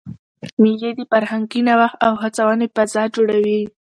مېلې د فرهنګي نوښت او هڅوني فضا جوړوي.